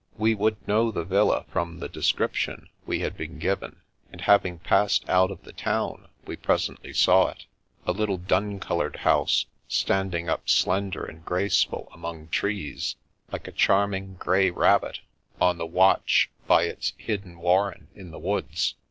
We would know the villa from the description we had been given, and having passed out of the town, we presently saw it ; a little dun coloured house, stand ing up slender and graceful among trees, like a charming grey rabbit on the watch by its hidden warren in the woods.